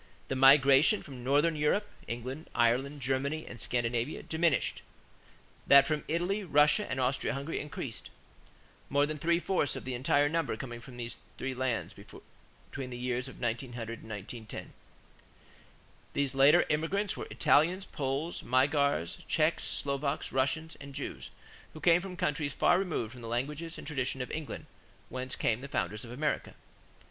The migration from Northern Europe England, Ireland, Germany, and Scandinavia diminished; that from Italy, Russia, and Austria Hungary increased, more than three fourths of the entire number coming from these three lands between the years 1900 and 1910. These later immigrants were Italians, Poles, Magyars, Czechs, Slovaks, Russians, and Jews, who came from countries far removed from the language and the traditions of England whence came the founders of America.